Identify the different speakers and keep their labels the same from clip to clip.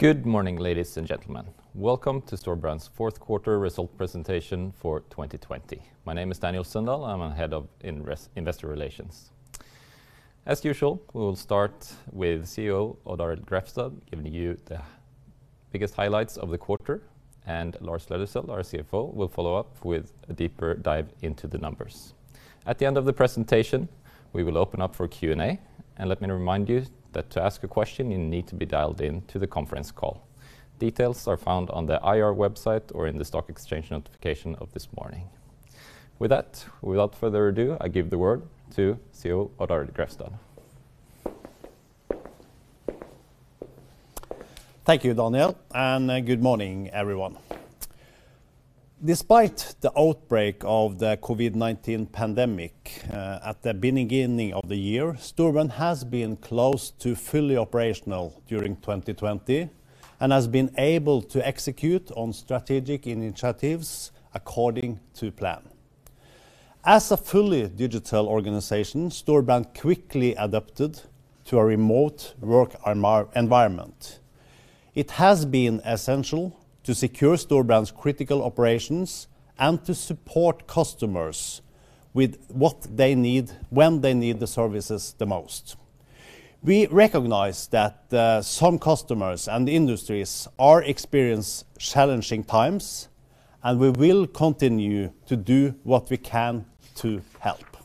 Speaker 1: Good morning, ladies and gentlemen. Welcome to Storebrand's fourth quarter result presentation for 2020. My name is Daniel Sundahl. I'm a Head of Investor Relations. As usual, we will start with CEO Odd Arild Grefstad, giving you the biggest highlights of the quarter, and Lars Løddesøl, our CFO, will follow up with a deeper dive into the numbers. At the end of the presentation, we will open up for Q&A, and let me remind you that to ask a question, you need to be dialed in to the conference call. Details are found on the IR website or in the stock exchange notification of this morning. With that, without further ado, I give the word to CEO Odd Arild Grefstad.
Speaker 2: Thank you, Daniel. Good morning, everyone. Despite the outbreak of the COVID-19 pandemic at the beginning of the year, Storebrand has been close to fully operational during 2020 and has been able to execute on strategic initiatives according to plan. As a fully digital organization, Storebrand quickly adapted to a remote work environment. It has been essential to secure Storebrand's critical operations and to support customers with what they need, when they need the services the most. We recognize that some customers and industries are experiencing challenging times. We will continue to do what we can to help.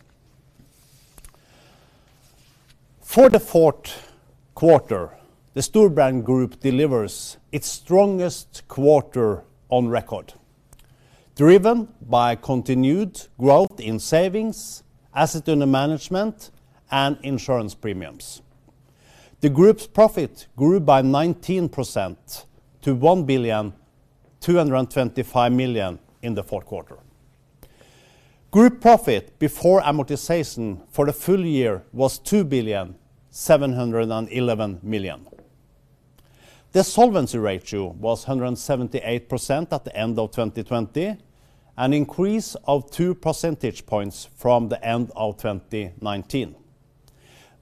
Speaker 2: For the fourth quarter, the Storebrand Group delivers its strongest quarter on record, driven by continued growth in savings, assets under management, and insurance premiums. The group's profit grew by 19% to 1,225,000,000 in the fourth quarter. Group profit before amortization for the full year was 2,711,000,000. The solvency ratio was 178% at the end of 2020, an increase of two percentage points from the end of 2019.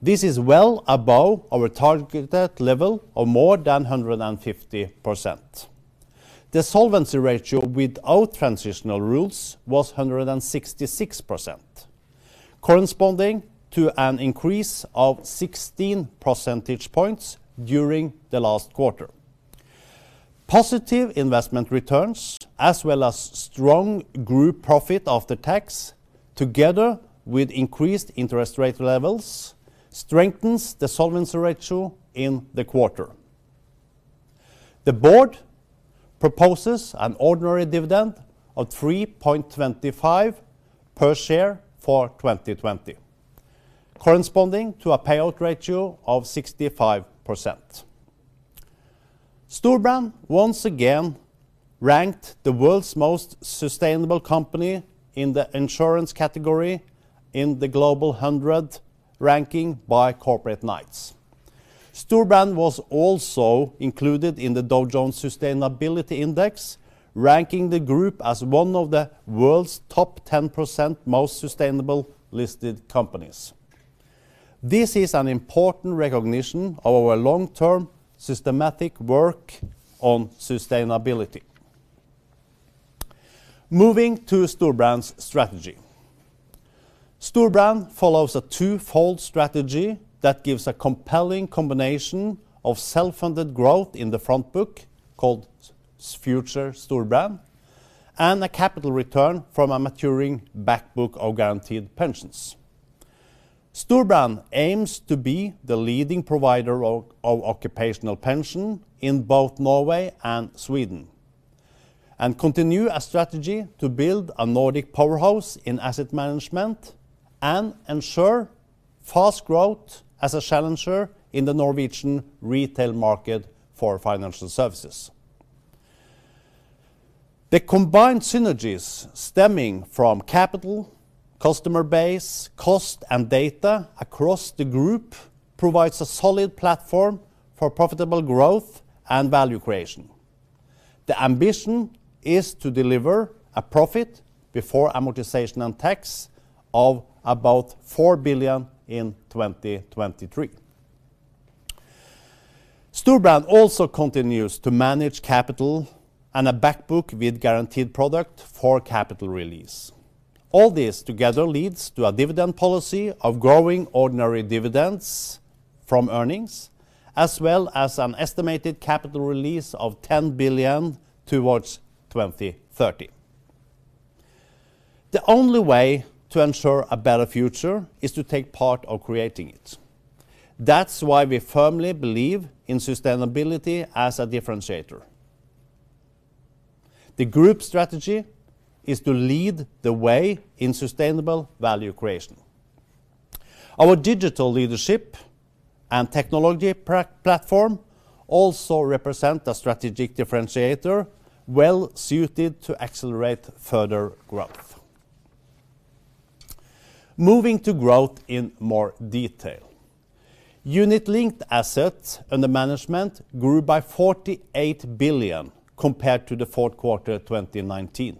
Speaker 2: This is well above our targeted level of more than 150%. The solvency ratio without transitional rules was 166%, corresponding to an increase of 16 percentage points during the last quarter. Positive investment returns, as well as strong group profit after tax, together with increased interest rate levels, strengthens the solvency ratio in the quarter. The board proposes an ordinary dividend of 3.25 per share for 2020, corresponding to a payout ratio of 65%. Storebrand, once again, ranked the world's most sustainable company in the insurance category in the Global 100 ranking by Corporate Knights. Storebrand was also included in the Dow Jones Sustainability Index, ranking the group as one of the world's top 10% most sustainable listed companies. This is an important recognition of our long-term, systematic work on sustainability. Moving to Storebrand's strategy. Storebrand follows a twofold strategy that gives a compelling combination of self-funded growth in the front book, called Future Storebrand, and a capital return from a maturing back book of guaranteed pensions. Storebrand aims to be the leading provider of occupational pension in both Norway and Sweden, and continue a strategy to build a Nordic powerhouse in asset management and ensure fast growth as a challenger in the Norwegian retail market for financial services. The combined synergies stemming from capital, customer base, cost, and data across the group provides a solid platform for profitable growth and value creation. The ambition is to deliver a profit before amortization and tax of about 4 billion in 2023. Storebrand also continues to manage capital and a back book with guaranteed product for capital release. All this together leads to a dividend policy of growing ordinary dividends from earnings, as well as an estimated capital release of 10 billion towards 2030. The only way to ensure a better future is to take part of creating it. That's why we firmly believe in sustainability as a differentiator. The group strategy is to lead the way in sustainable value creation. Our digital leadership and technology platform also represent a strategic differentiator well-suited to accelerate further growth. Moving to growth in more detail. Unit-linked assets under management grew by 48 billion compared to the fourth quarter 2019.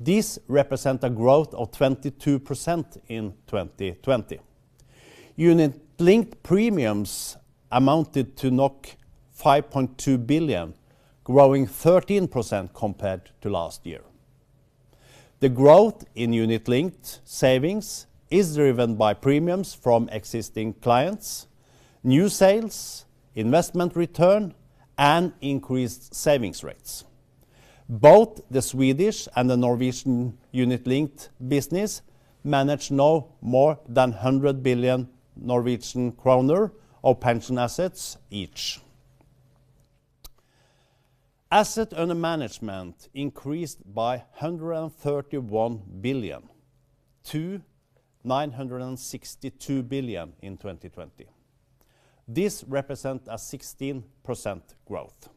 Speaker 2: This represents a growth of 22% in 2020. Unit-linked premiums amounted to 5.2 billion, growing 13% compared to last year. The growth in unit-linked savings is driven by premiums from existing clients, new sales, investment return, and increased savings rates. Both the Swedish and the Norwegian unit-linked business manage now more than 100 billion Norwegian kroner of pension assets each. Asset under management increased by 131 billion to 962 billion in 2020. This represents a 16% growth.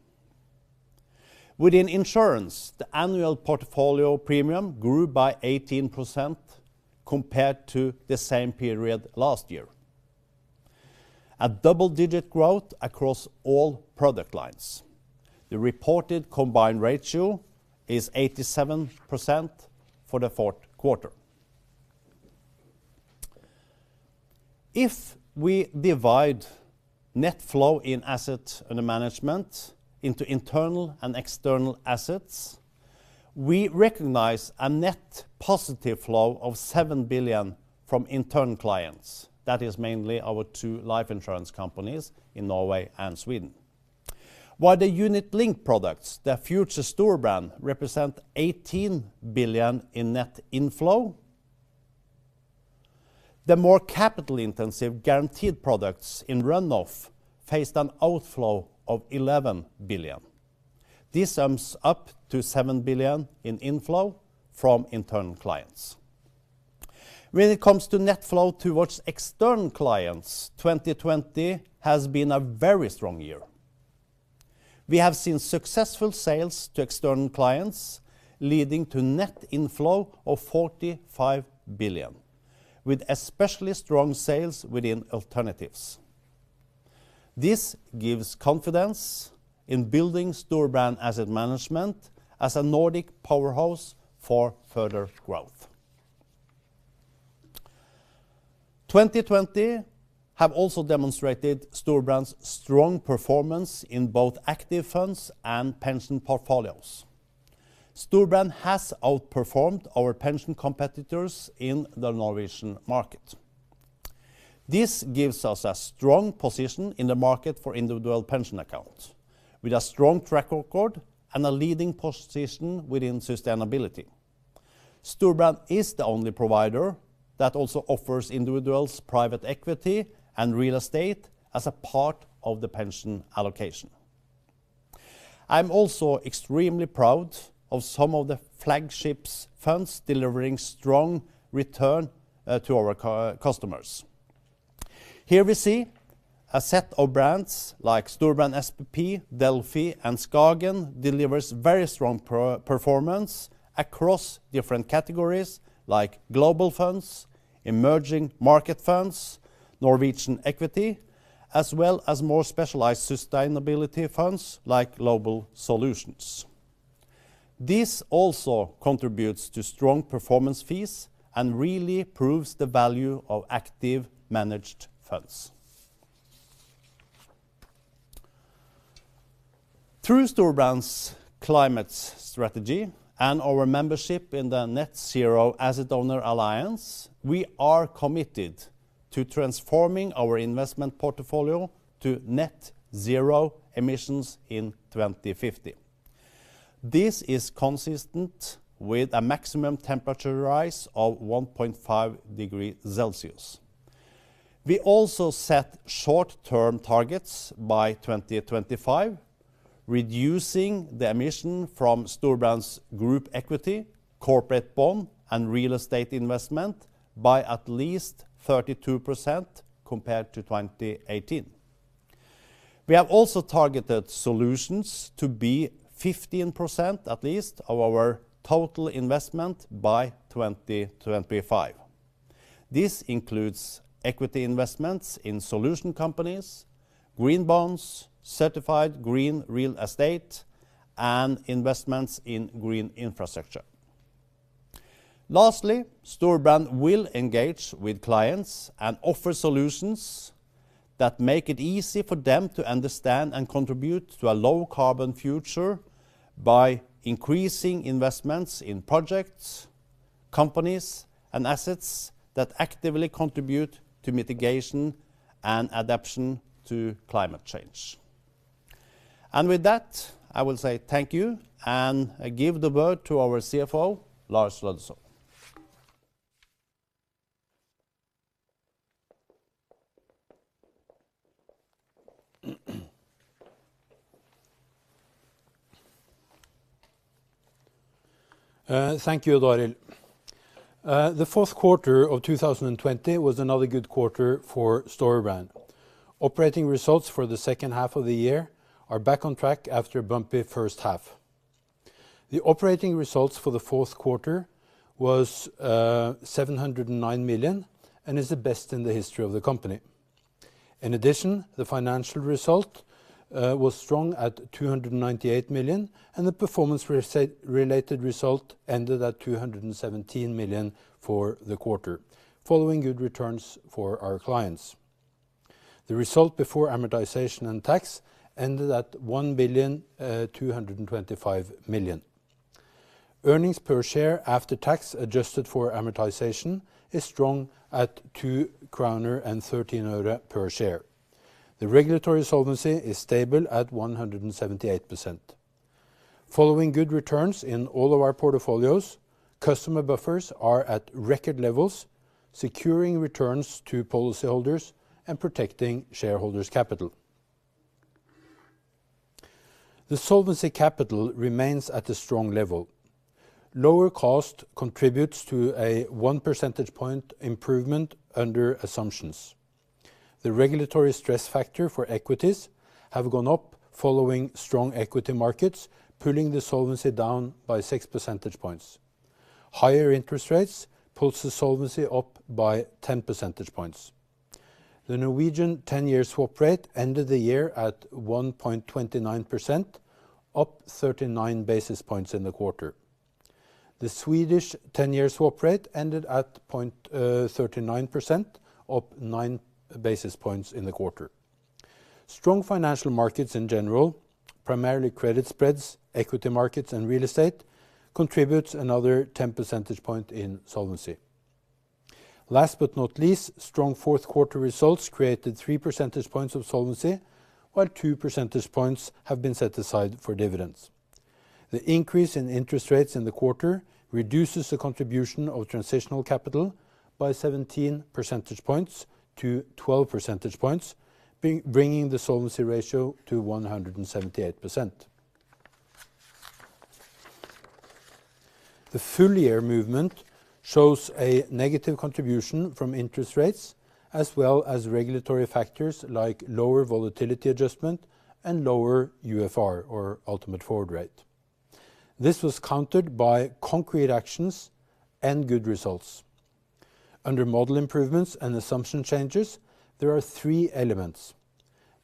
Speaker 2: Within insurance, the annual portfolio premium grew by 18% compared to the same period last year. A double-digit growth across all product lines. The reported combined ratio is 87% for the fourth quarter. If we divide net flow in assets under management into internal and external assets, we recognize a net positive flow of 7 billion from internal clients. That is mainly our two life insurance companies in Norway and Sweden. While the unit-linked products, the Future Storebrand, represent 18 billion in net inflow, the more capital-intensive guaranteed products in runoff faced an outflow of 11 billion. This sums up to 7 billion in inflow from internal clients. When it comes to net flow towards external clients, 2020 has been a very strong year. We have seen successful sales to external clients, leading to net inflow of 45 billion, with especially strong sales within alternatives. This gives confidence in building Storebrand Asset Management as a Nordic powerhouse for further growth. 2020 have also demonstrated Storebrand's strong performance in both active funds and pension portfolios. Storebrand has outperformed our pension competitors in the Norwegian market. This gives us a strong position in the market for individual pension accounts, with a strong track record and a leading position within sustainability. Storebrand is the only provider that also offers individuals private equity and real estate as a part of the pension allocation. I'm also extremely proud of some of the flagship funds delivering strong return to our customers. Here we see a set of brands like Storebrand, SPP, Delphi, and SKAGEN delivers very strong performance across different categories like global funds, emerging market funds, Norwegian equity, as well as more specialized sustainability funds like Global Solutions. This also contributes to strong performance fees and really proves the value of active managed funds. Through Storebrand's climate strategy and our membership in the Net-Zero Asset Owner Alliance, we are committed to transforming our investment portfolio to net zero emissions in 2050. This is consistent with a maximum temperature rise of 1.5 degree Celsius. We also set short-term targets by 2025, reducing the emission from Storebrand's group equity, corporate bond, and real estate investment by at least 32% compared to 2018. We have also targeted solutions to be 15%, at least, of our total investment by 2025. This includes equity investments in solution companies, green bonds, certified green real estate, and investments in green infrastructure. Lastly, Storebrand will engage with clients and offer solutions that make it easy for them to understand and contribute to a low-carbon future by increasing investments in projects, companies, and assets that actively contribute to mitigation and adaption to climate change. With that, I will say thank you and give the word to our CFO, Lars Løddesøl.
Speaker 3: Thank you, Odd Arild. The fourth quarter of 2020 was another good quarter for Storebrand. Operating results for the second half of the year are back on track after a bumpy first half. The operating results for the fourth quarter was 709 million and is the best in the history of the company. The financial result was strong at 298 million, and the performance related result ended at 217 million for the quarter, following good returns for our clients. The result before amortization and tax ended at 1,225 million. Earnings per share after tax adjusted for amortization is strong at NOK 2.13 per share. The regulatory solvency is stable at 178%. Following good returns in all of our portfolios, customer buffers are at record levels, securing returns to policyholders and protecting shareholders' capital. The solvency capital remains at a strong level. Lower cost contributes to a one percentage point improvement under assumptions. The regulatory stress factor for equities have gone up following strong equity markets, pulling the solvency down by six percentage points. Higher interest rates pulls the solvency up by 10 percentage points. The Norwegian 10-year swap rate ended the year at 1.29%, up 39 basis points in the quarter. The Swedish 10-year swap rate ended at 0.39%, up nine basis points in the quarter. Strong financial markets in general, primarily credit spreads, equity markets, and real estate contributes another 10 percentage point in solvency. Last but not least, strong fourth quarter results created three percentage points of solvency, while two percentage points have been set aside for dividends. The increase in interest rates in the quarter reduces the contribution of transitional capital by 17 percentage points to 12 percentage points, bringing the solvency ratio to 178%. The full year movement shows a negative contribution from interest rates as well as regulatory factors like lower volatility adjustment and lower UFR or ultimate forward rate. This was countered by concrete actions and good results. Under model improvements and assumption changes, there are three elements: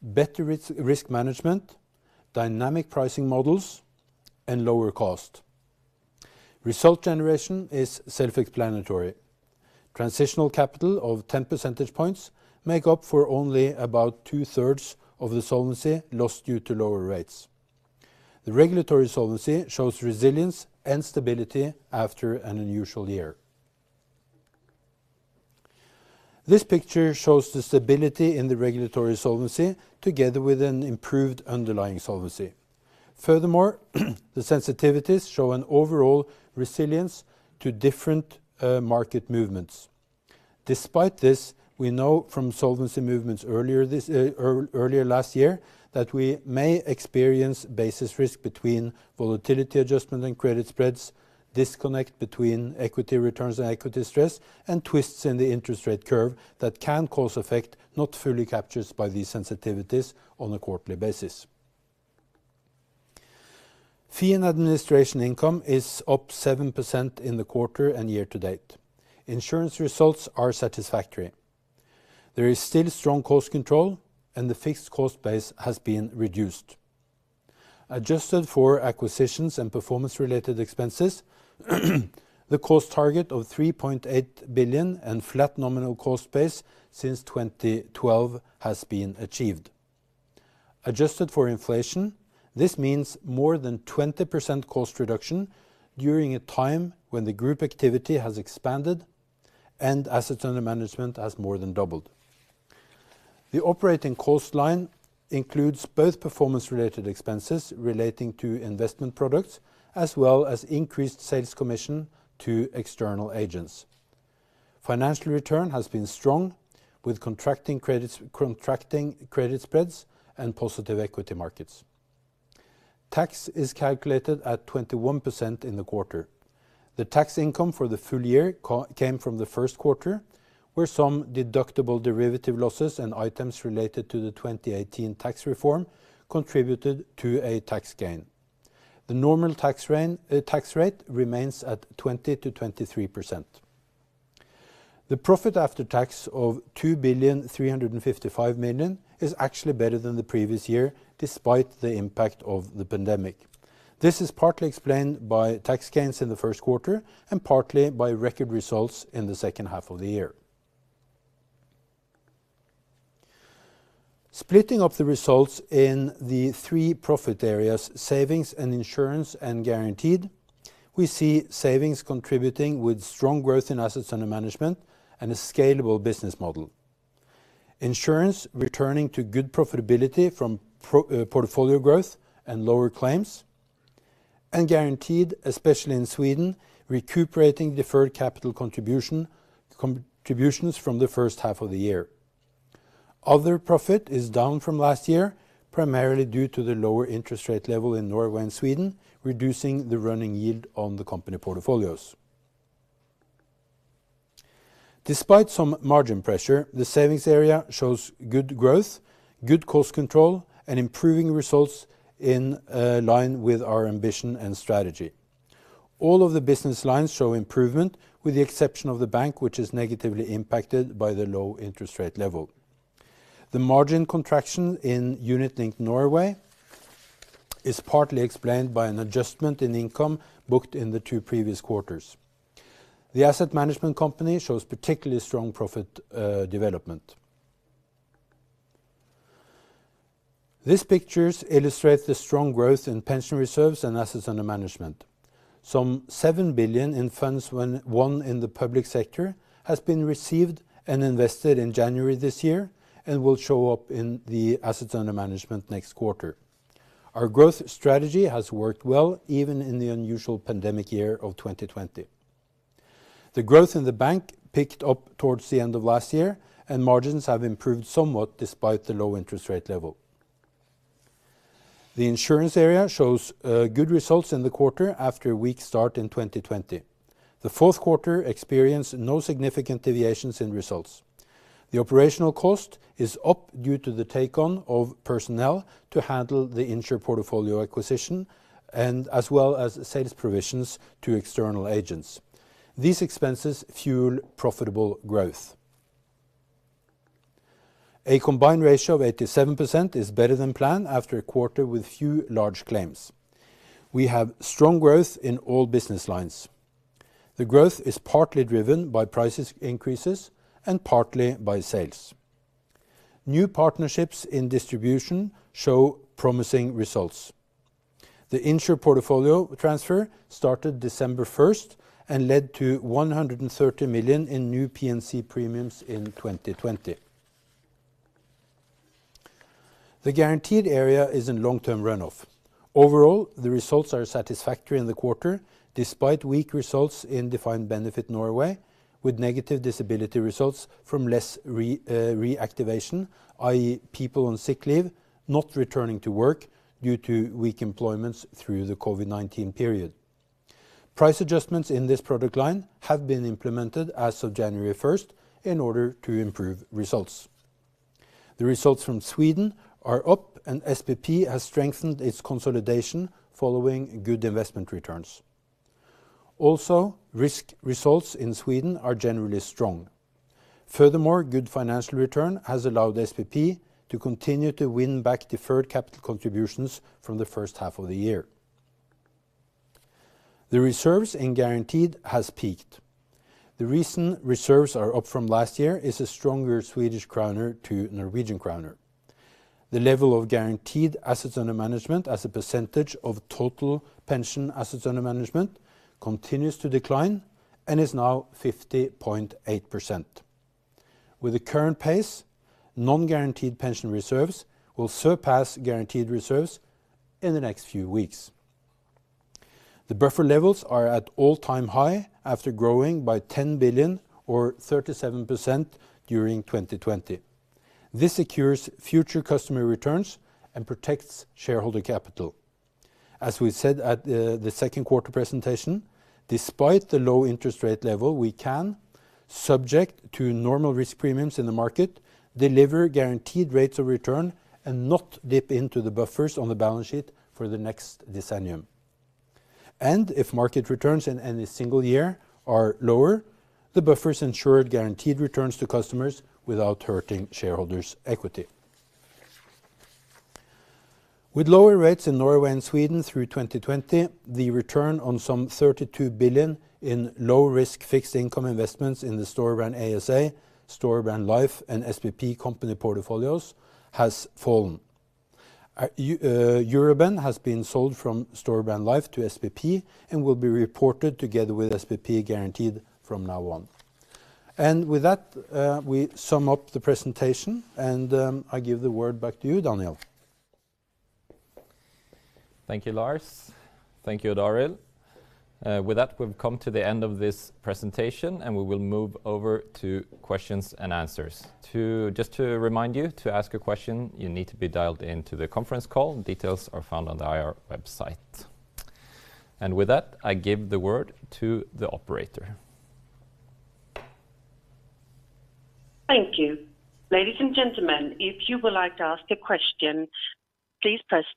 Speaker 3: better risk management, dynamic pricing models, and lower cost. Result generation is self-explanatory. Transitional capital of 10 percentage points make up for only about two-thirds of the solvency lost due to lower rates. The regulatory solvency shows resilience and stability after an unusual year. This picture shows the stability in the regulatory solvency together with an improved underlying solvency. Furthermore, the sensitivities show an overall resilience to different market movements. Despite this, we know from solvency movements earlier last year that we may experience basis risk between volatility adjustment and credit spreads, disconnect between equity returns and equity stress, and twists in the interest rate curve that can cause effect not fully captured by these sensitivities on a quarterly basis. Fee and administration income is up 7% in the quarter and year to date. Insurance results are satisfactory. There is still strong cost control, and the fixed cost base has been reduced. Adjusted for acquisitions and performance-related expenses, the cost target of 3.8 billion and flat nominal cost base since 2012 has been achieved. Adjusted for inflation, this means more than 20% cost reduction during a time when the group activity has expanded and assets under management has more than doubled. The operating cost line includes both performance related expenses relating to investment products, as well as increased sales commission to external agents. Financial return has been strong, with contracting credit spreads, and positive equity markets. Tax is calculated at 21% in the quarter. The tax income for the full year came from the first quarter, where some deductible derivative losses and items related to the 2018 tax reform contributed to a tax gain. The normal tax rate remains at 20%-23%. The profit after tax of 2,355 million is actually better than the previous year, despite the impact of the pandemic. This is partly explained by tax gains in the first quarter and partly by record results in the second half of the year. Splitting up the results in the three profit areas, savings and insurance and guaranteed, we see savings contributing with strong growth in assets under management and a scalable business model. Insurance returning to good profitability from portfolio growth and lower claims, and guaranteed, especially in Sweden, recuperating deferred capital contributions from the first half of the year. Other profit is down from last year, primarily due to the lower interest rate level in Norway and Sweden, reducing the running yield on the company portfolios. Despite some margin pressure, the savings area shows good growth, good cost control, and improving results in line with our ambition and strategy. All of the business lines show improvement with the exception of the bank, which is negatively impacted by the low interest rate level. The margin contraction in unit-linked Norway is partly explained by an adjustment in income booked in the two previous quarters. The asset management company shows particularly strong profit development. These pictures illustrate the strong growth in pension reserves and assets under management. Some 7 billion in funds won in the public sector has been received and invested in January this year and will show up in the assets under management next quarter. Our growth strategy has worked well even in the unusual pandemic year of 2020. The growth in the bank picked up towards the end of last year, and margins have improved somewhat despite the low interest rate level. The insurance area shows good results in the quarter after a weak start in 2020. The fourth quarter experienced no significant deviations in results. The operational cost is up due to the take-on of personnel to handle the Insr portfolio acquisition and as well as sales provisions to external agents. These expenses fuel profitable growth. A combined ratio of 87% is better than planned after a quarter with few large claims. We have strong growth in all business lines. The growth is partly driven by prices increases and partly by sales. New partnerships in distribution show promising results. The Insr portfolio transfer started December 1st and led to 130 million in new P&C premiums in 2020. The guaranteed area is in long-term runoff. Overall, the results are satisfactory in the quarter, despite weak results in defined benefit Norway, with negative disability results from less reactivation, i.e., people on sick leave not returning to work due to weak employments through the COVID-19 period. Price adjustments in this product line have been implemented as of January 1st in order to improve results. The results from Sweden are up, and SPP has strengthened its consolidation following good investment returns. Risk results in Sweden are generally strong. Furthermore, good financial return has allowed SPP to continue to win back deferred capital contributions from the first half of the year. The reserves in guaranteed has peaked. The reason reserves are up from last year is a stronger SEK to NOK. The level of guaranteed assets under management as a percentage of total pension assets under management continues to decline and is now 50.8%. With the current pace, non-guaranteed pension reserves will surpass guaranteed reserves in the next few weeks. The buffer levels are at all-time high after growing by 10 billion or 37% during 2020. This secures future customer returns and protects shareholder capital. As we said at the second quarter presentation, despite the low interest rate level, we can, subject to normal risk premiums in the market, deliver guaranteed rates of return and not dip into the buffers on the balance sheet for the next decennium. If market returns in any single year are lower, the buffers ensure guaranteed returns to customers without hurting shareholders' equity. With lower rates in Norway and Sweden through 2020, the return on some 32 billion in low risk fixed income investments in the Storebrand ASA, Storebrand Life, and SPP company portfolios has fallen. Euroben has been sold from Storebrand Life to SPP and will be reported together with SPP Guaranteed from now on. With that, we sum up the presentation, and I give the word back to you, Daniel.
Speaker 1: Thank you, Lars. Thank you, Arild. With that, we've come to the end of this presentation, and we will move over to questions and answers. Just to remind you, to ask a question, you need to be dialed into the conference call. Details are found on the IR website. With that, I give the word to the operator.
Speaker 4: The first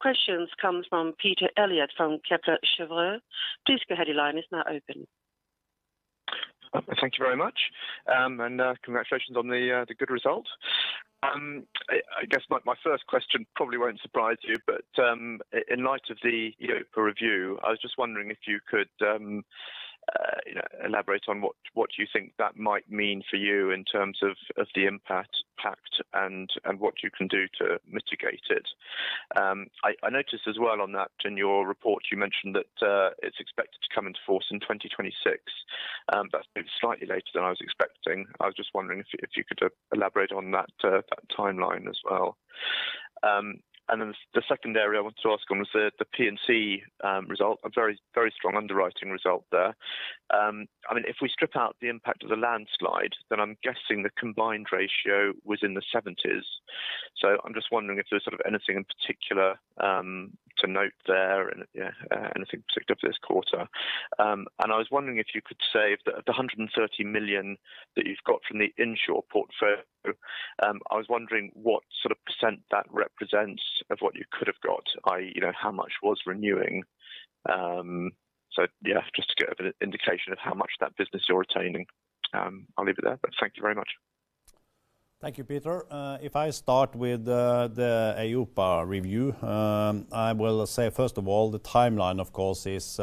Speaker 4: question comes from Peter Eliot from Kepler Cheuvreux. Please go ahead. Your line is now open.
Speaker 5: Thank you very much, and congratulations on the good result. I guess my first question probably won't surprise you, in light of the EIOPA review, I was just wondering if you could elaborate on what you think that might mean for you in terms of the impact and what you can do to mitigate it. I noticed as well on that in your report you mentioned that it's expected to come into force in 2026. That's slightly later than I was expecting. I was just wondering if you could elaborate on that timeline as well. The second area I wanted to ask on was the P&C result, a very strong underwriting result there. If we strip out the impact of the landslide, then I'm guessing the combined ratio was in the 70s. I'm just wondering if there's anything in particular to note there, and anything particular for this quarter. I was wondering if you could say, of the 130 million that you've got from the Insr portfolio, I was wondering what % that represents of what you could have got, i.e. how much was renewing. Yeah, just to get a bit indication of how much of that business you're retaining. I'll leave it there, thank you very much.
Speaker 2: Thank you, Peter. If I start with the EIOPA review, I will say, first of all, the timeline of course is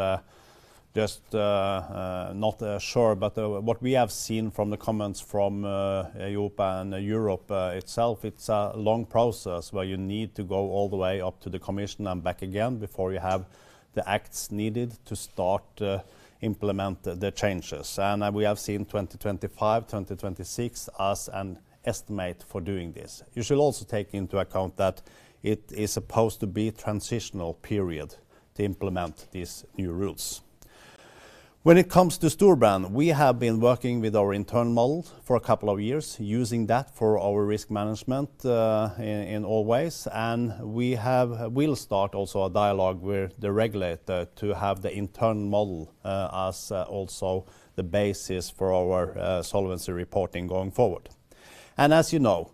Speaker 2: just not sure. What we have seen from the comments from EIOPA and Europe itself, it's a long process where you need to go all the way up to the commission and back again before you have the acts needed to start to implement the changes. We have seen 2025, 2026 as an estimate for doing this. You should also take into account that it is supposed to be transitional period to implement these new rules. When it comes to Storebrand, we have been working with our internal model for a couple of years, using that for our risk management in all ways. We'll start also a dialogue with the regulator to have the internal model as also the basis for our solvency reporting going forward. As you know,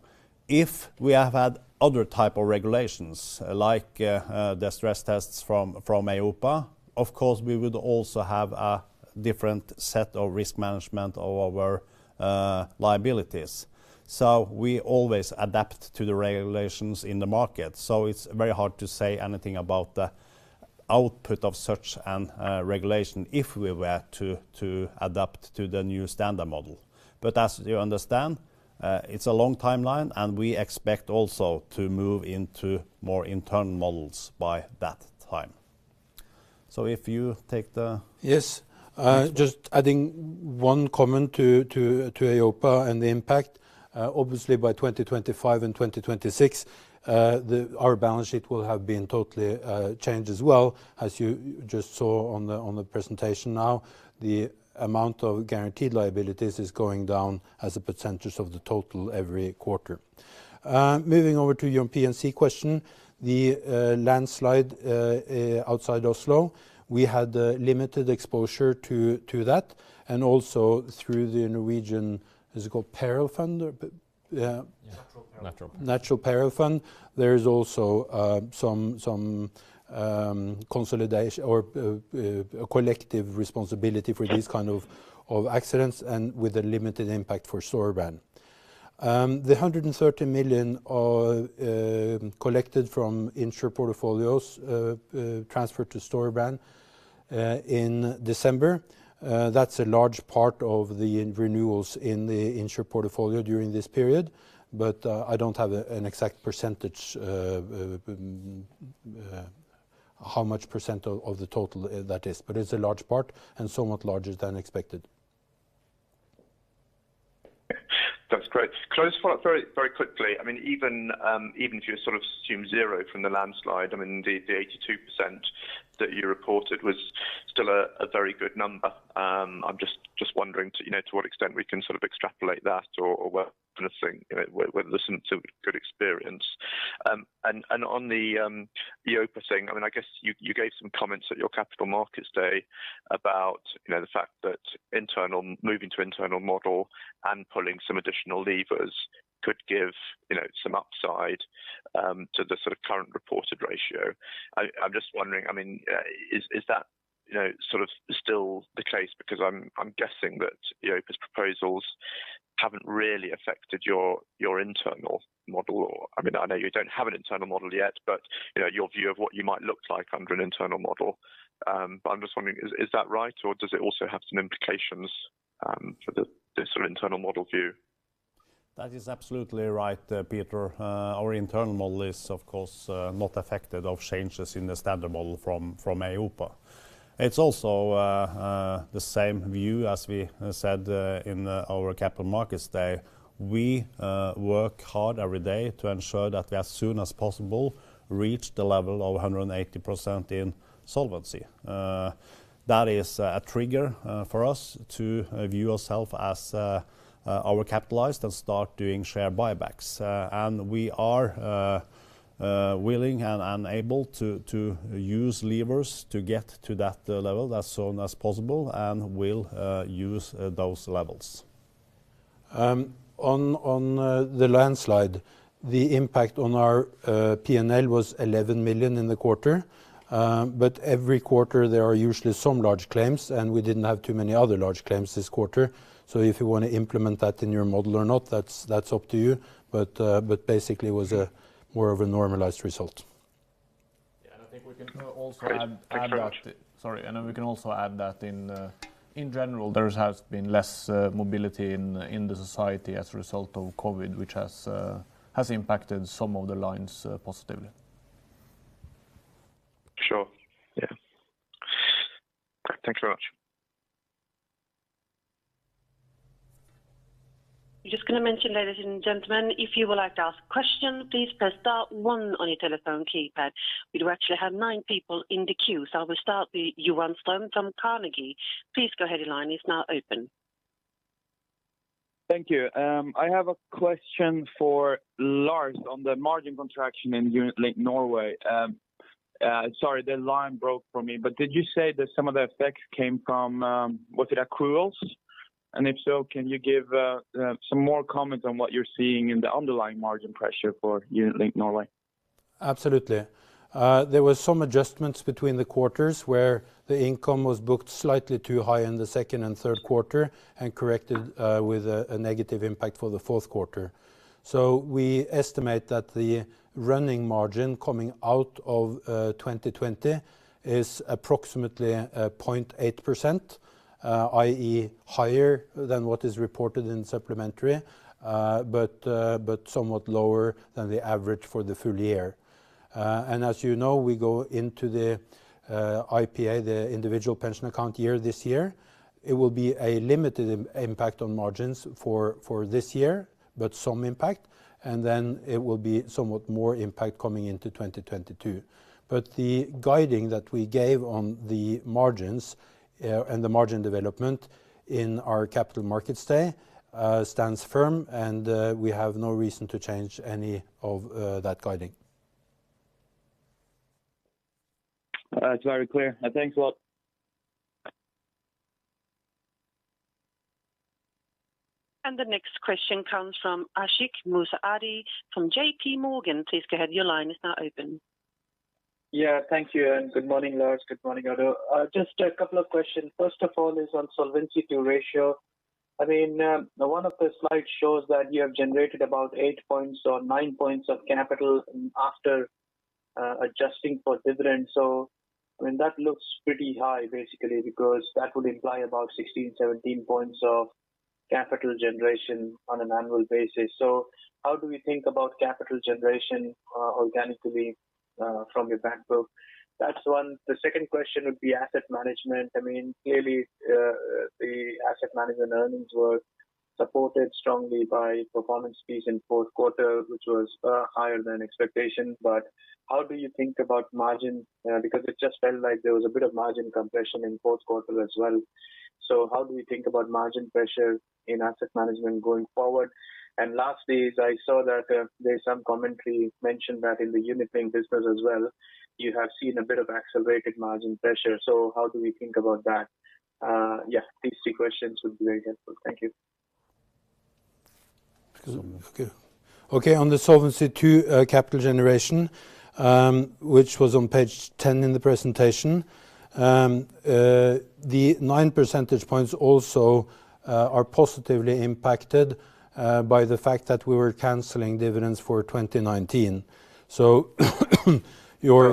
Speaker 2: if we have had other type of regulations, like the stress tests from EIOPA, of course, we would also have a different set of risk management of our liabilities. We always adapt to the regulations in the market, so it's very hard to say anything about the output of such a regulation if we were to adapt to the new standard formula. As you understand, it's a long timeline, and we expect also to move into more internal models by that time.
Speaker 3: Just adding one comment to EIOPA and the impact. Obviously by 2025 and 2026, our balance sheet will have been totally changed as well, as you just saw on the presentation now. The amount of guaranteed liabilities is going down as a percentage of the total every quarter. Moving over to your P&C question, the landslide outside Oslo, we had limited exposure to that, and also through the Norwegian, is it called peril fund?
Speaker 2: Yeah.
Speaker 3: Natural peril fund. There is also some consolidation or collective responsibility for these kind of accidents and with a limited impact for Storebrand. The 130 million collected from Insr portfolios, transferred to Storebrand in December, that's a large part of the renewals in the Insr portfolio during this period. I don't have an exact %, how much % of the total that is, but it's a large part and somewhat larger than expected.
Speaker 5: That's great. Could I just follow up very quickly. Even if you assume zero from the landslide, the 82% that you reported was still a very good number. I'm just wondering to what extent we can extrapolate that or whether this seems a good experience. On the EIOPA thing, I guess you gave some comments at your Capital Markets Day about the fact that moving to internal model and pulling some additional levers could give some upside to the current reported ratio. I'm just wondering, is that still the case? I'm guessing that EIOPA's proposals haven't really affected your internal model. I know you don't have an internal model yet, but your view of what you might look like under an internal model. I'm just wondering, is that right, or does it also have some implications for the internal model view?
Speaker 2: That is absolutely right, Peter. Our internal model is, of course, not affected of changes in the standard formula from EIOPA. It's also the same view as we said in our Capital Markets Day. We work hard every day to ensure that as soon as possible, reach the level of 180% in solvency. That is a trigger for us to view ourself as overcapitalized and start doing share buybacks. We are willing and able to use levers to get to that level as soon as possible, and will use those levels.
Speaker 3: On the landslide, the impact on our P&L was 11 million in the quarter. Every quarter, there are usually some large claims, and we didn't have too many other large claims this quarter. If you want to implement that in your model or not, that's up to you. Basically, it was more of a normalized result.
Speaker 2: Yeah, and I think we can also add. Sorry. We can also add that in general, there has been less mobility in the society as a result of COVID-19, which has impacted some of the lines positively.
Speaker 5: Sure. Yeah. Great. Thanks very much.
Speaker 4: I'm just going to mention, ladies and gentlemen, if you would like to ask questions, please press star one on your telephone keypad. We do actually have nine people in the queue, so I will start with Johan Ström from Carnegie. Please go ahead, your line is now open
Speaker 6: Thank you. I have a question for Lars on the margin contraction in unit-linked Norway. Sorry, the line broke for me, but did you say that some of the effects came from accruals? If so, can you give some more comments on what you're seeing in the underlying margin pressure for unit-linked Norway?
Speaker 3: Absolutely. There were some adjustments between the quarters where the income was booked slightly too high in the second and third quarter and corrected with a negative impact for the fourth quarter. We estimate that the running margin coming out of 2020 is approximately 0.8%, i.e. higher than what is reported in supplementary, but somewhat lower than the average for the full year. As you know, we go into the IPA, the individual pension account year this year. It will be a limited impact on margins for this year, but some impact, and then it will be somewhat more impact coming into 2022. The guiding that we gave on the margins, and the margin development in our Capital Markets Day stands firm, and we have no reason to change any of that guiding.
Speaker 6: That's very clear, and thanks a lot.
Speaker 4: The next question comes from Ashik Musaddi from JP Morgan. Please go ahead.
Speaker 7: Yeah. Thank you. Good morning, Lars. Good morning, Odd Arild. Just a couple of questions. First of all is on Solvency II ratio. One of the slides shows that you have generated about eight points or nine points of capital after adjusting for dividends. That looks pretty high, basically, because that would imply about 16, 17 points of capital generation on an annual basis. How do we think about capital generation organically from your back book? That's one. The second question would be asset management. Clearly, the asset management earnings were supported strongly by performance fees in Q4, which was higher than expectation. How do you think about margin? Because it just felt like there was a bit of margin compression in Q4 as well. How do we think about margin pressure in asset management going forward? Lastly, I saw that there's some commentary mentioned that in the Unit-linked business as well, you have seen a bit of accelerated margin pressure. How do we think about that? These three questions would be very helpful. Thank you.
Speaker 3: Okay. On the Solvency II capital generation, which was on page 10 in the presentation, the nine percentage points also are positively impacted by the fact that we were canceling dividends for 2019. Your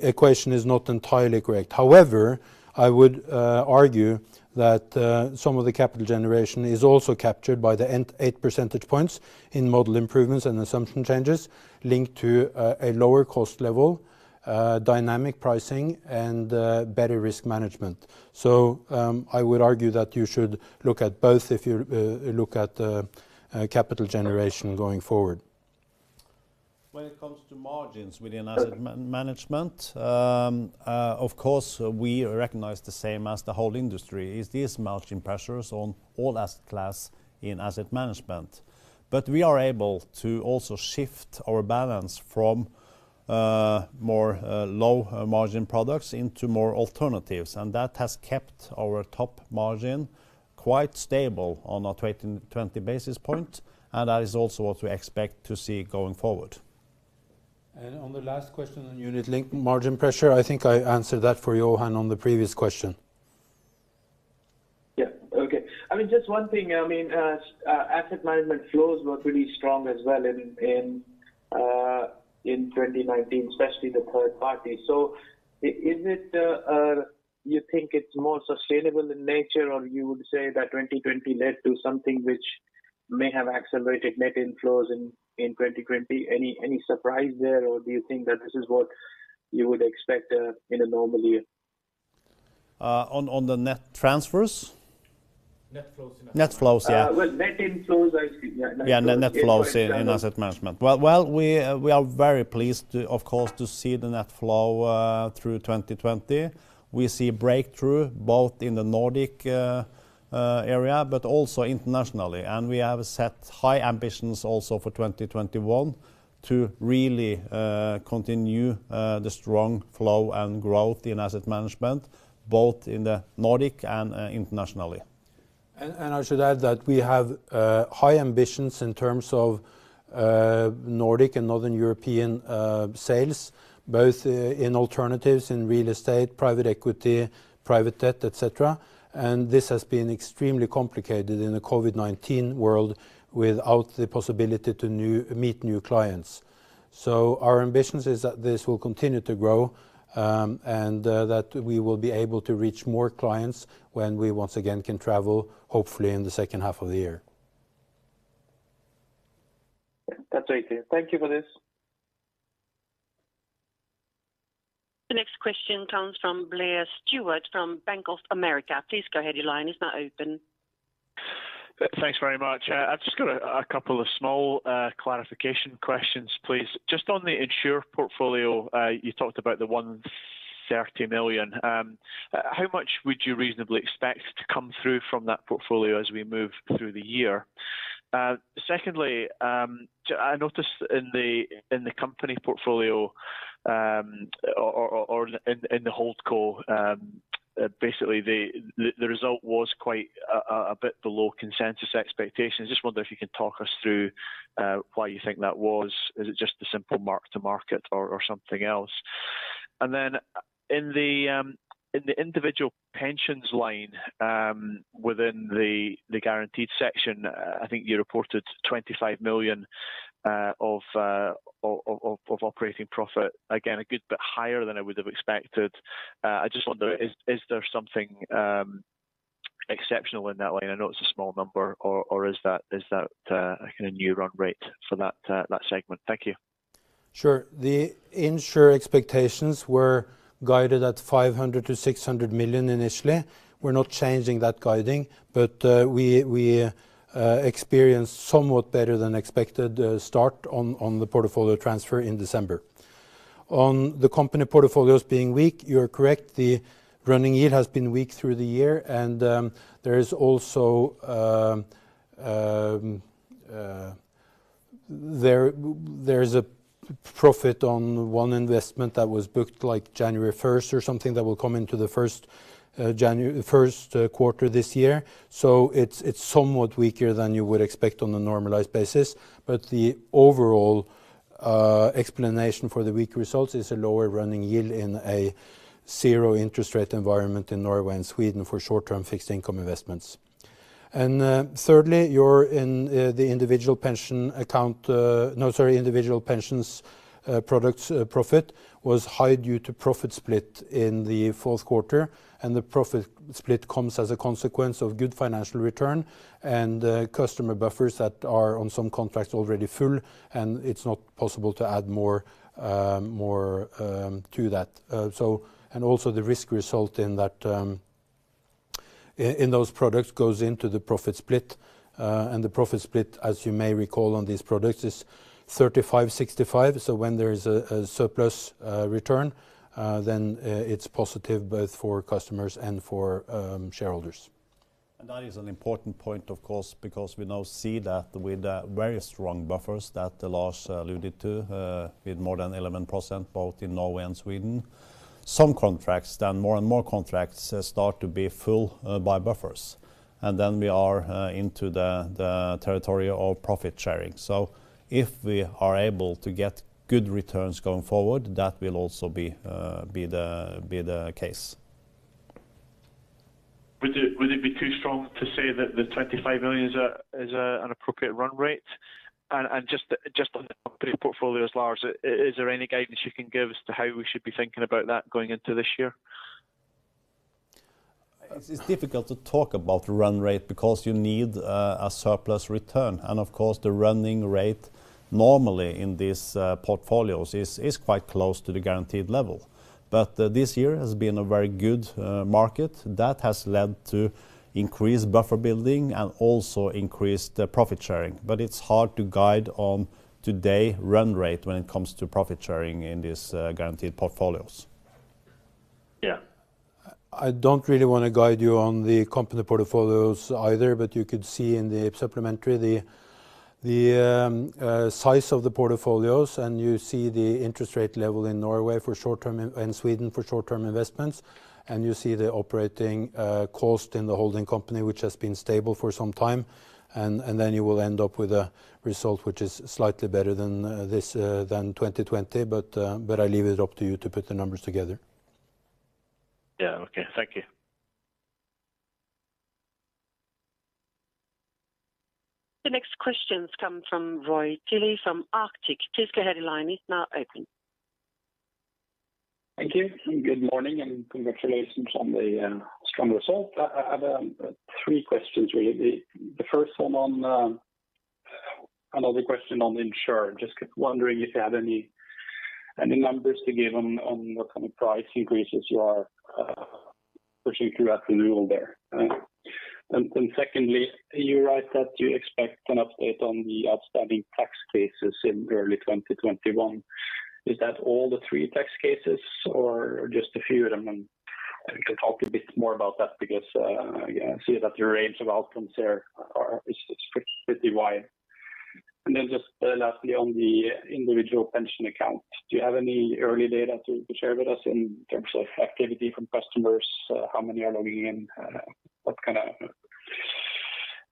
Speaker 3: equation is not entirely correct. However, I would argue that some of the capital generation is also captured by the eight percentage points in model improvements and assumption changes linked to a lower cost level, dynamic pricing, and better risk management. I would argue that you should look at both if you look at capital generation going forward.
Speaker 2: When it comes to margins within Asset Management, of course, we recognize the same as the whole industry, is these margin pressures on all asset class in Asset Management. We are able to also shift our balance from more low-margin products into more alternatives. That has kept our top margin quite stable on a 2020 basis points. That is also what we expect to see going forward.
Speaker 3: On the last question on Unit-Linked margin pressure, I think I answered that for you, Ashik, on the previous question.
Speaker 7: Yeah. Okay. Just one thing. Asset Management flows were pretty strong as well in 2019, especially the third party. Do you think it's more sustainable in nature, or you would say that 2020 led to something which may have accelerated net inflows in 2020? Any surprise there, or do you think that this is what you would expect in a normal year?
Speaker 3: On the net transfers?
Speaker 2: Net flows.
Speaker 3: Net flows, yeah.
Speaker 7: Well, net inflows, actually. Yeah.
Speaker 3: Yeah. Net flows in asset management. Well, we are very pleased, of course, to see the net flow through 2020. We see breakthrough both in the Nordic area, but also internationally. We have set high ambitions also for 2021 to really continue the strong flow and growth in asset management, both in the Nordic and internationally.
Speaker 2: I should add that we have high ambitions in terms of Nordic and Northern European sales, both in alternatives, in real estate, private equity, private debt, et cetera. This has been extremely complicated in a COVID-19 world without the possibility to meet new clients. Our ambition is that this will continue to grow, and that we will be able to reach more clients when we once again can travel, hopefully in the second half of the year.
Speaker 7: That's great to hear. Thank you for this.
Speaker 4: The next question comes from Blair Stewart from Bank of America. Please go ahead. Your line is now open.
Speaker 8: Thanks very much. I've just got a couple of small clarification questions, please. Just on the Insr portfolio, you talked about the one. 130 million. How much would you reasonably expect to come through from that portfolio as we move through the year? Secondly, I noticed in the company portfolio, or in the holdco, basically, the result was quite a bit below consensus expectations. I just wonder if you can talk us through why you think that was? Is it just a simple mark to market or something else? In the individual pensions line, within the guaranteed section, I think you reported 25 million of operating profit. Again, a good bit higher than I would have expected. I just wonder, is there something exceptional in that line? I know it's a small number, or is that a new run rate for that segment? Thank you.
Speaker 3: Sure. The Insr expectations were guided at 500 million-600 million initially. We're not changing that guiding, but we experienced somewhat better than expected start on the portfolio transfer in December. On the company portfolios being weak, you are correct. The running yield has been weak through the year, and there is also a profit on one investment that was booked January 1st or something that will come into the first quarter this year. It's somewhat weaker than you would expect on a normalized basis. The overall explanation for the weak results is a lower running yield in a zero interest rate environment in Norway and Sweden for short-term fixed income investments. Thirdly, the individual pensions products profit was high due to profit split in the fourth quarter. The profit split comes as a consequence of good financial return and customer buffers that are on some contracts already full. It's not possible to add more to that. Also the risk result in those products goes into the profit split. The profit split, as you may recall, on these products, is 35/65. When there is a surplus return, then it's positive both for customers and for shareholders.
Speaker 2: That is an important point, of course, because we now see that with the very strong buffers that Lars alluded to, with more than 11%, both in Norway and Sweden. Some contracts, then more and more contracts, start to be full by buffers. Then we are into the territory of profit sharing. If we are able to get good returns going forward, that will also be the case.
Speaker 8: Would it be too strong to say that the 25 million is an appropriate run rate? Just on the company portfolios, Lars, is there any guidance you can give as to how we should be thinking about that going into this year?
Speaker 2: It's difficult to talk about run rate because you need a surplus return, and of course, the running rate normally in these portfolios is quite close to the guaranteed level. This year has been a very good market. That has led to increased buffer building and also increased profit sharing. It's hard to guide on today run rate when it comes to profit sharing in these guaranteed portfolios.
Speaker 8: Yeah.
Speaker 3: I don't really want to guide you on the company portfolios either, but you could see in the supplementary the size of the portfolios. You see the interest rate level in Norway and Sweden for short-term investments. You see the operating cost in the holding company, which has been stable for some time. Then you will end up with a result which is slightly better than 2020. I leave it up to you to put the numbers together.
Speaker 8: Yeah. Okay. Thank you.
Speaker 4: The next questions come from Roy Gilley from Arctic. The speaker line is now open.
Speaker 9: Thank you. Good morning, congratulations on the strong results. I have three questions really. Another question on the Insr. Just wondering if you had any numbers to give on what kind of price increases you are pushing throughout the renewal there. Secondly, you write that you expect an update on the outstanding tax cases in early 2021. Is that all the three tax cases or just a few of them? You can talk a bit more about that because I see that your range of outcomes there is pretty wide. Lastly, on the individual pension accounts, do you have any early data to share with us in terms of activity from customers? How many are logging in?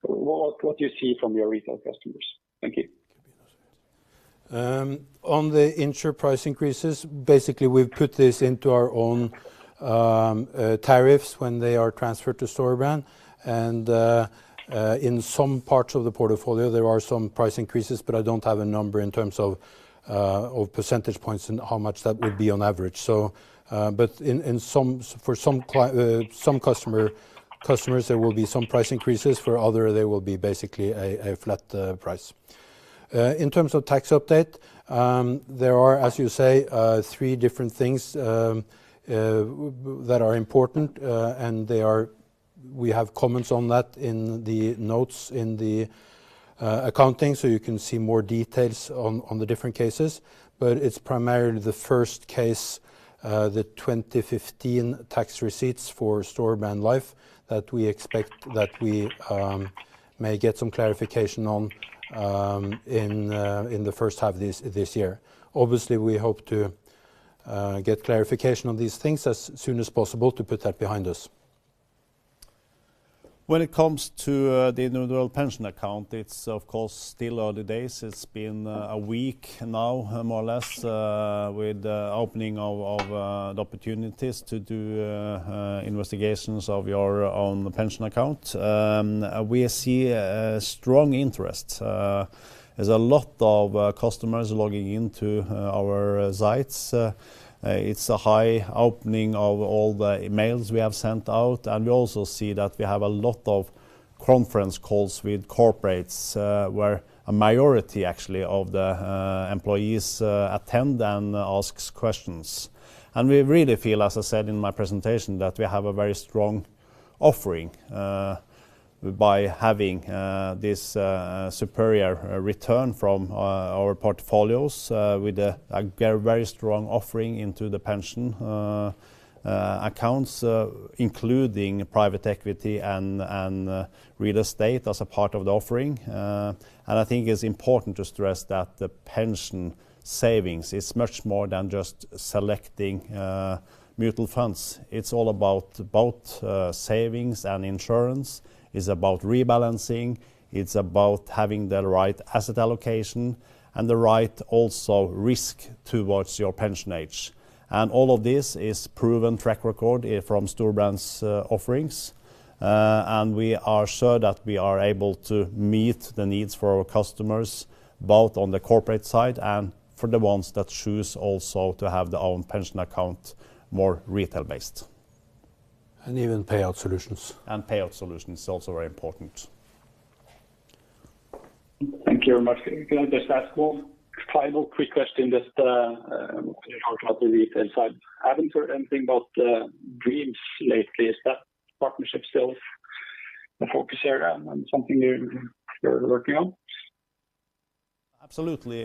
Speaker 9: What you see from your retail customers. Thank you.
Speaker 3: On the Insr price increases, basically, we've put this into our own tariffs when they are transferred to Storebrand. In some parts of the portfolio, there are some price increases, but I don't have a number in terms of percentage points and how much that would be on average. For some customers, there will be some price increases. For others, there will be basically a flat price. In terms of tax update, there are, as you say, three different things that are important. We have comments on that in the notes in the accounting, you can see more details on the different cases. It's primarily the first case, the 2015 tax receipts for Storebrand Life that we expect that we may get some clarification on in the first half of this year. Obviously, we hope to get clarification on these things as soon as possible to put that behind us.
Speaker 2: When it comes to the individual pension account, it's of course still early days. It's been a week now, more or less, with the opening of the opportunities to do investigations of your own pension account. We see a strong interest. There's a lot of customers logging into our sites. It's a high opening of all the emails we have sent out. We also see that we have a lot of conference calls with corporates, where a majority, actually, of the employees attend and ask questions. We really feel, as I said in my presentation, that we have a very strong offering by having this superior return from our portfolios with a very strong offering into the pension accounts, including private equity and real estate as a part of the offering. I think it's important to stress that the pension savings is much more than just selecting mutual funds. It's all about both savings and insurance. It's about rebalancing. It's about having the right asset allocation and the right, also, risk towards your pension age. All of this is proven track record from Storebrand's offerings. We are sure that we are able to meet the needs for our customers, both on the corporate side and for the ones that choose also to have their own pension account, more retail-based.
Speaker 3: Even payout solutions.
Speaker 2: Payout solutions, also very important.
Speaker 9: Thank you very much. Can I just ask one final quick question, just about the retail side. I haven't heard anything about Dreams lately. Is that partnership still a focus area and something you're working on?
Speaker 2: Absolutely.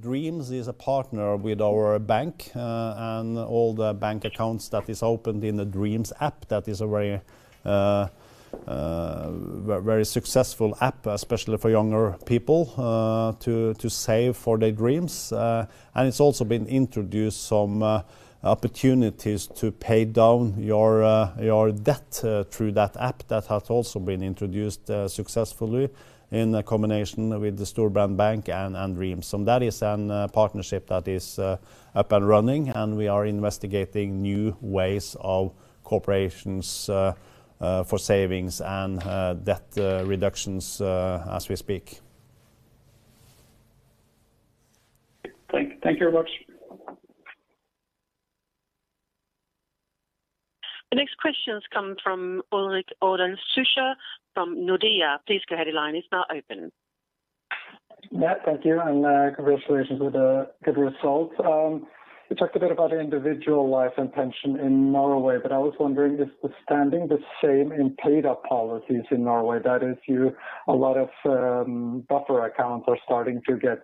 Speaker 2: Dreams is a partner with our bank, and all the bank accounts that is opened in the Dreams app, that is a very successful app, especially for younger people, to save for their dreams. It's also been introduced some opportunities to pay down your debt through that app. That has also been introduced successfully in combination with the Storebrand Bank and Dreams. That is a partnership that is up and running, and we are investigating new ways of cooperation for savings and debt reductions as we speak.
Speaker 9: Thank you very much.
Speaker 4: The next question comes from Ulrik Årdal Zürcher from Nordea.
Speaker 10: Yeah, thank you. Congratulations with the good results. You talked a bit about individual life and pension in Norway, but I was wondering, is the standing the same in paid-up policies in Norway? That is, a lot of buffer accounts are starting to get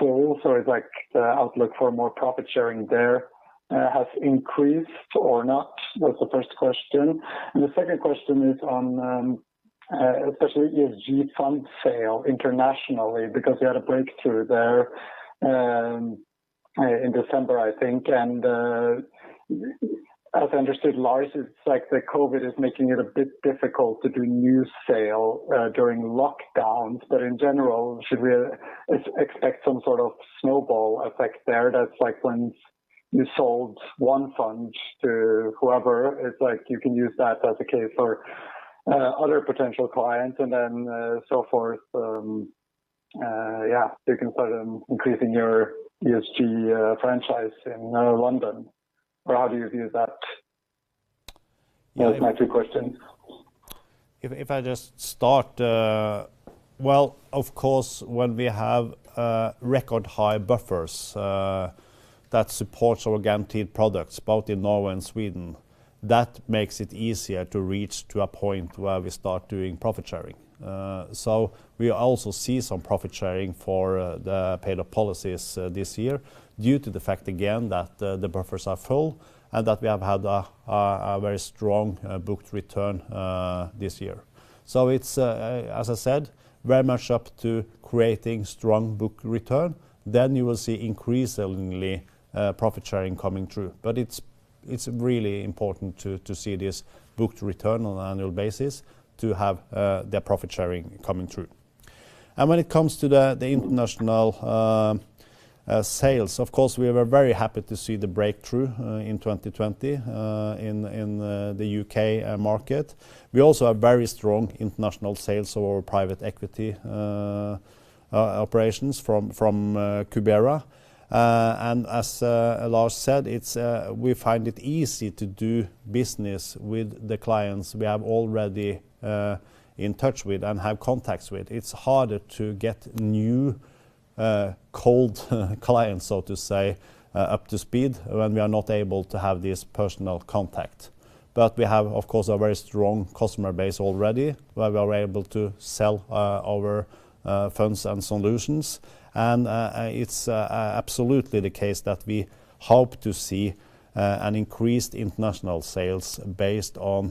Speaker 10: full, so it's like the outlook for more profit sharing there has increased or not? Was the first question. The second question is on especially your ESG fund sale internationally, because you had a breakthrough there in December, I think. As I understood, Lars, it's like the COVID-19 is making it a bit difficult to do new sale during lockdowns. In general, should we expect some sort of snowball effect there? That's like when you sold one fund to whoever, it's like you can use that as a case for other potential clients and then so forth. Yeah, you can start increasing your ESG franchise in London, or how do you view that? Those are my two questions.
Speaker 2: If I just start. Well, of course, when we have record high buffers that support our guaranteed products, both in Norway and Sweden, that makes it easier to reach to a point where we start doing profit sharing. We also see some profit sharing for the paid-up policies this year due to the fact, again, that the buffers are full and that we have had a very strong booked return this year. It's, as I said, very much up to creating strong booked return. You will see increasingly profit sharing coming through. It's really important to see this booked return on an annual basis to have the profit sharing coming through. When it comes to the international sales, of course, we were very happy to see the breakthrough in 2020 in the U.K. market. We also have very strong international sales of our private equity operations from Cubera. As Lars said, we find it easy to do business with the clients we have already in touch with and have contacts with. It's harder to get new cold clients, so to say, up to speed when we are not able to have this personal contact. We have, of course, a very strong customer base already, where we are able to sell our funds and solutions. It's absolutely the case that we hope to see an increased international sales based on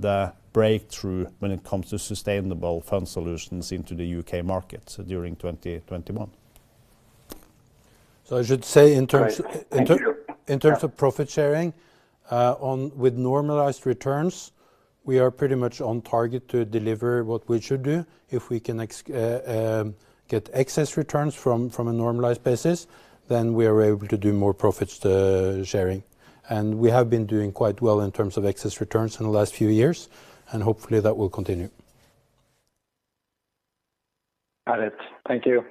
Speaker 2: the breakthrough when it comes to sustainable fund solutions into the U.K. market during 2021.
Speaker 3: I should say.
Speaker 10: Right. Thank you.
Speaker 3: of profit sharing, with normalized returns, we are pretty much on target to deliver what we should do. If we can get excess returns from a normalized basis, we are able to do more profit sharing. We have been doing quite well in terms of excess returns in the last few years, and hopefully that will continue.
Speaker 10: Got it. Thank you.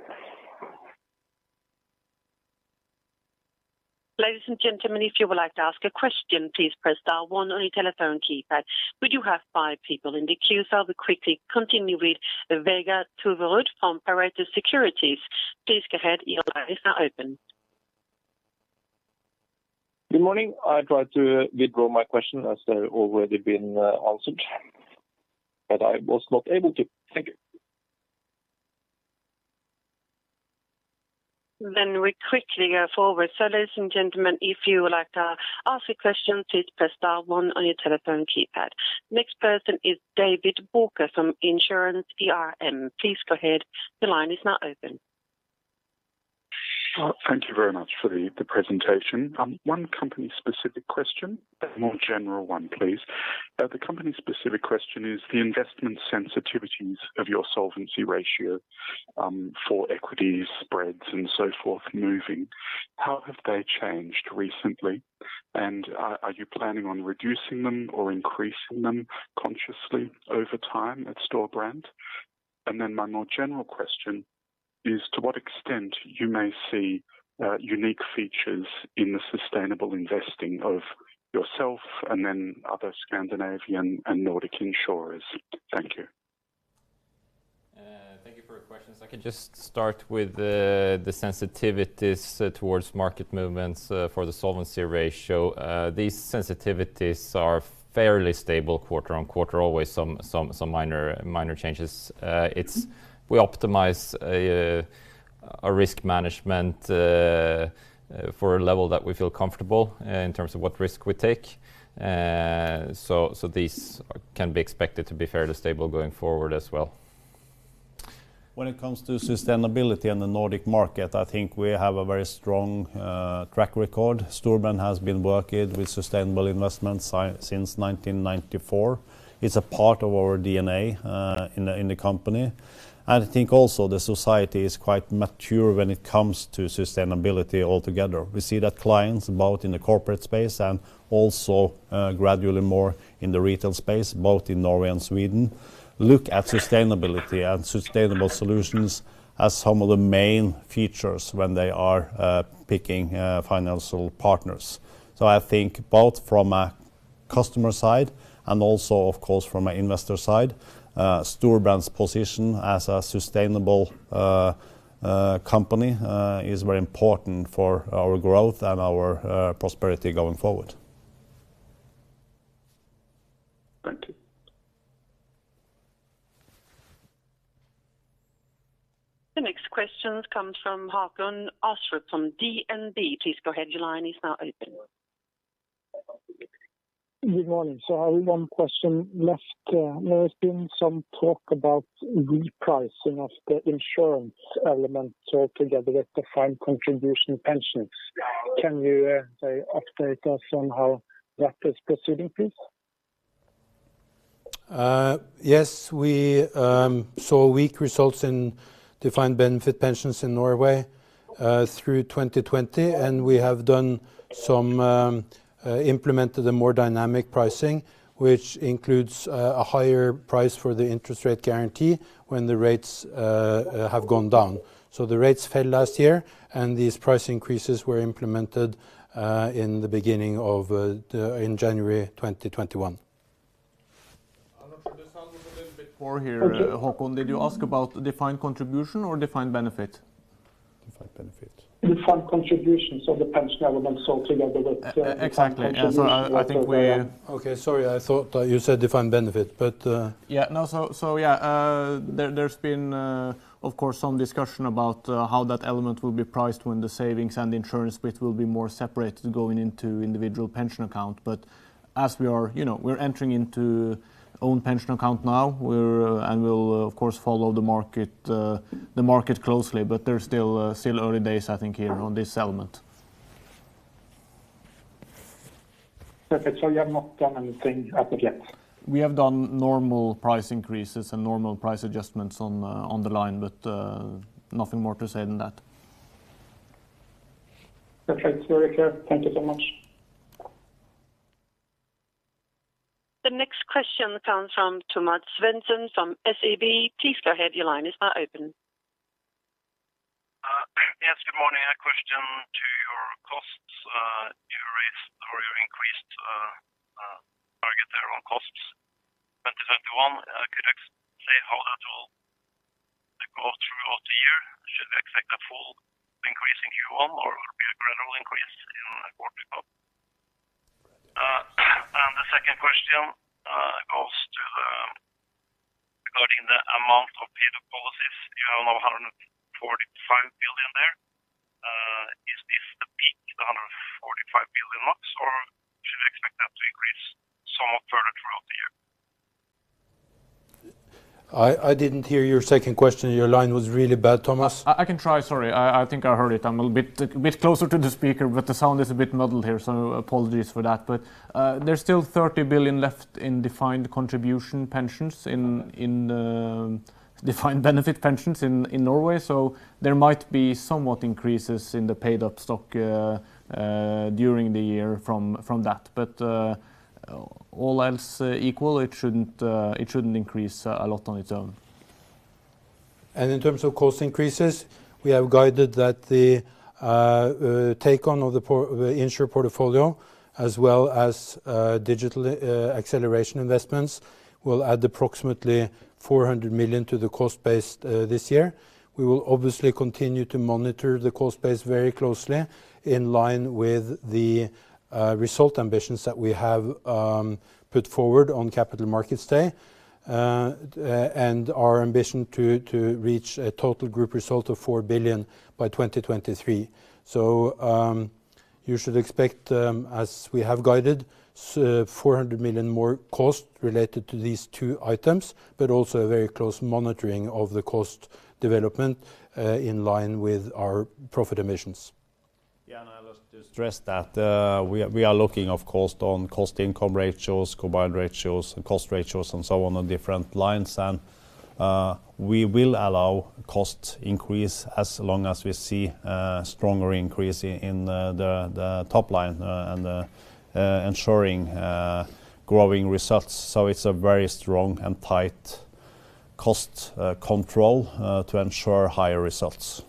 Speaker 4: Ladies and gentlemen, if you would like to ask a question, please press dial 1 on your telephone keypad. We do have five people in the queue, I will quickly continue with Vegard Toverud from Pareto Securities. Please go ahead. Your lines are open.
Speaker 11: Good morning. I tried to withdraw my question as they've already been answered, but I was not able to. Thank you.
Speaker 4: We quickly go forward. Ladies and gentlemen, Next person is David Booker from InsuranceERM. Please go ahead.
Speaker 12: Thank you very much for the presentation. One company specific question, a more general one, please. The company specific question is the investment sensitivities of your solvency ratio, for equities spreads and so forth moving, how have they changed recently? Are you planning on reducing them or increasing them consciously over time at Storebrand? My more general question is, to what extent you may see unique features in the sustainable investing of yourself and then other Scandinavian and Nordic insurers. Thank you.
Speaker 3: Thank you for your questions. I can just start with the sensitivities towards market movements for the solvency ratio. These sensitivities are fairly stable quarter on quarter, always some minor changes. We optimize a risk management for a level that we feel comfortable in terms of what risk we take. These can be expected to be fairly stable going forward as well.
Speaker 2: When it comes to sustainability in the Nordic market, I think we have a very strong track record. Storebrand has been working with sustainable investments since 1994. It's a part of our DNA in the company. I think also the society is quite mature when it comes to sustainability altogether. We see that clients, both in the corporate space and also gradually more in the retail space, both in Norway and Sweden, look at sustainability and sustainable solutions as some of the main features when they are picking financial partners. I think both from a customer side and also, of course, from an investor side, Storebrand's position as a sustainable company is very important for our growth and our prosperity going forward.
Speaker 12: Thank you.
Speaker 4: The next question comes from Håkon Astrup from DNB. Please go ahead, your line is now open.
Speaker 13: Good morning. I have one question left. There has been some talk about repricing of the insurance elements altogether with the defined contribution pensions. Can you update us on how that is proceeding, please?
Speaker 3: We saw weak results in defined benefit pensions in Norway through 2020, and we have implemented a more dynamic pricing, which includes a higher price for the interest rate guarantee when the rates have gone down. The rates fell last year, and these price increases were implemented in January 2021. I'm not sure, the sound is a little bit poor here, Håkon. Did you ask about defined contribution or defined benefit?
Speaker 13: defined benefit. Defined contributions of the pension elements altogether with- Exactly. I think
Speaker 3: Okay, sorry, I thought you said defined benefit. Yeah. There's been, of course, some discussion about how that element will be priced when the savings and the insurance bit will be more separated going into individual pension account. As we are entering into Own Pension Accounts now, and we'll of course follow the market closely, but they're still early days, I think, here on this element.
Speaker 13: Perfect. You have not done anything as of yet?
Speaker 3: We have done normal price increases and normal price adjustments on the line. Nothing more to say than that.
Speaker 13: Perfect. It's very clear. Thank you so much.
Speaker 4: The next question comes from Thomas Svendsen from SEB. Please go ahead, your line is now open.
Speaker 14: Yes, good morning. A question to, costs, say how that will go throughout the year? Should we expect a full increase in Q1, or it will be a gradual increase in quarter two? The second question goes to regarding the amount of paid-up policies. You have now 145 billion there. Is this the peak, the 145 billion, or should we expect that to increase somewhat further throughout the year?
Speaker 3: I didn't hear your second question. Your line was really bad, Thomas.
Speaker 2: I can try. Sorry, I think I heard it. I'm a bit closer to the speaker, but the sound is a bit muddled here, so apologies for that. There's still 30 billion left in defined contribution pensions in defined benefit pensions in Norway, so there might be somewhat increases in the paid-up policies during the year from that. All else equal, it shouldn't increase a lot on its own. In terms of cost increases, we have guided that the take-on of the Insr portfolio, as well as digital acceleration investments, will add approximately 400 million to the cost base this year. We will obviously continue to monitor the cost base very closely, in line with the result ambitions that we have put forward on Capital Markets Day, and our ambition to reach a total group result of 4 billion by 2023. You should expect, as we have guided, 400 million more cost related to these two items, but also a very close monitoring of the cost development in line with our profit ambitions. I'll just stress that we are looking, of course, on cost income ratios, combined ratios and cost ratios and so on different lines. We will allow cost increase as long as we see a stronger increase in the top line and ensuring growing results. It's a very strong and tight cost control to ensure higher results.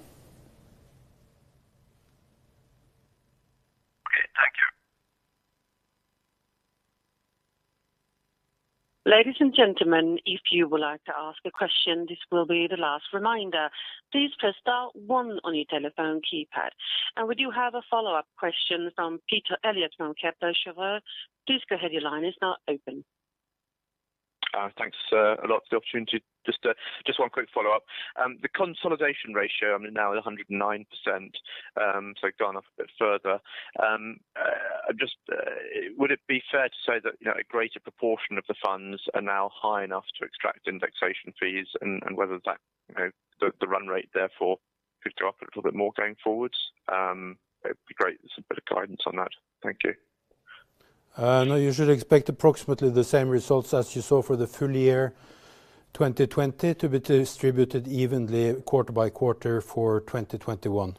Speaker 14: Okay, thank you.
Speaker 4: Ladies and gentlemen, if you would like to ask a question, this will be the last reminder. Please press star one on your telephone keypad. We do have a follow-up question from Peter Eliot from Kepler Cheuvreux. Please go ahead, your line is now open.
Speaker 5: Thanks a lot for the opportunity. Just one quick follow-up. The consolidation ratio, now at 109%, so gone up a bit further. Would it be fair to say that a greater proportion of the funds are now high enough to extract indexation fees, and whether the run rate therefore could go up a little bit more going forwards? It'd be great, just a bit of guidance on that. Thank you.
Speaker 3: No, you should expect approximately the same results as you saw for the full year 2020 to be distributed evenly quarter by quarter for 2021.
Speaker 5: Great.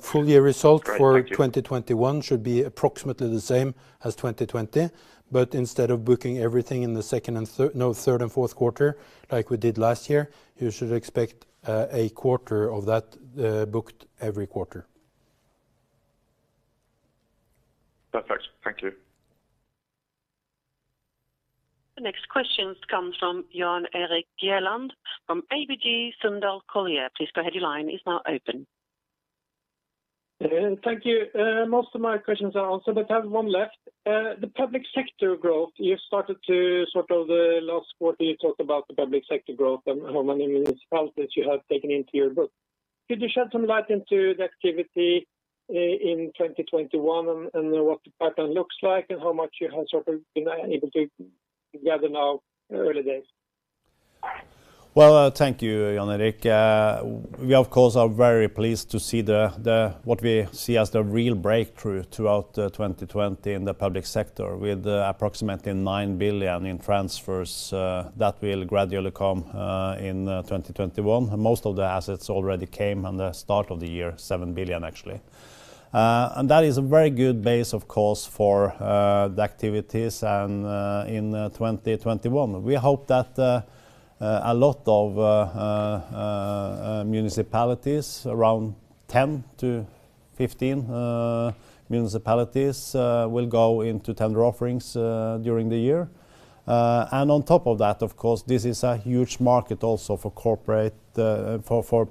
Speaker 5: Thank you.
Speaker 3: for 2021 should be approximately the same as 2020, but instead of booking everything in the third and fourth quarter, like we did last year, you should expect a quarter of that booked every quarter.
Speaker 5: Perfect. Thank you.
Speaker 4: The next questions come from Jan Erik Gjerland from ABG Sundal Collier. Please go ahead, your line is now open.
Speaker 15: Thank you. Most of my questions are answered, but I have one left. The public sector growth, last quarter you talked about the public sector growth and how many municipalities you have taken into your book. Could you shed some light into the activity in 2021 and what the pattern looks like and how much you have been able to gather now early days?
Speaker 2: Thank you, Jan Erik. We, of course, are very pleased to see what we see as the real breakthrough throughout 2020 in the public sector with approximately 9 billion in transfers that will gradually come in 2021. Most of the assets already came on the start of the year, 7 billion actually. That is a very good base, of course, for the activities in 2021. We hope that a lot of municipalities, around 10-15 municipalities, will go into tender offerings during the year. On top of that, of course, this is a huge market also for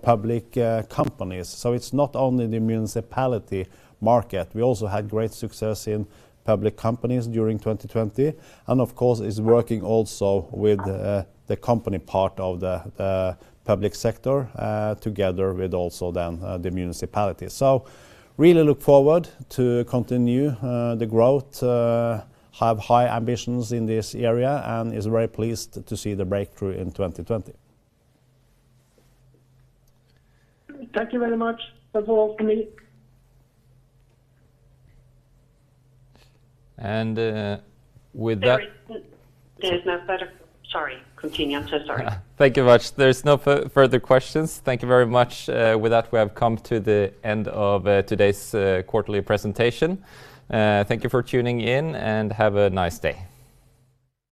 Speaker 2: public companies. It's not only the municipality market. We also had great success in public companies during 2020, and of course, is working also with the company part of the public sector, together with also then the municipality. Really look forward to continue the growth, have high ambitions in this area and is very pleased to see the breakthrough in 2020.
Speaker 15: Thank you very much. That's all for me.
Speaker 2: With that.
Speaker 4: There is no further. Sorry, continue. I'm so sorry.
Speaker 2: Thank you much. There's no further questions. Thank you very much. With that, we have come to the end of today's quarterly presentation. Thank you for tuning in, and have a nice day.